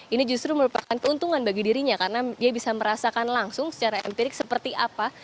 ini justru merupakan keuntungan bagi dirinya karena dia bisa merasakan langsung secara empirik seperti apa